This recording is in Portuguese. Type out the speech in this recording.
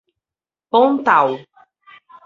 Pontal